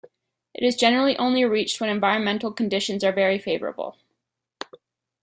It is generally only reached when environmental conditions are very favorable.